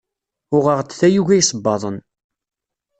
Uɣeɣ-d tayuga isebbaḍen.